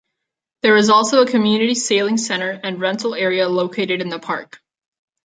There is also a community sailing center and rental area located in the park.